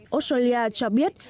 australia cho biết